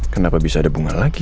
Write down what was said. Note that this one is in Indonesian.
kenapa bisa ada bunga lagi